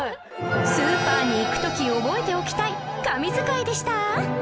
スーパーに行く時覚えておきたい神図解でした